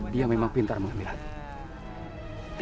dia memang pintar mengambil hati